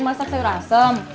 masak sayur asem